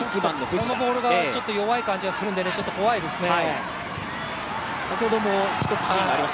このボールが弱い感じがするので怖いですね。